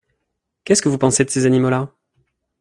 Qu’est-ce que vous pensez de ces animaux-là?